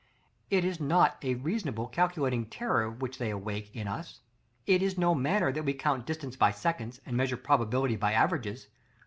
It is not a reasonable calculating terror which they awake in us; it is no matter that we count distance by seconds, and measure probability by averages.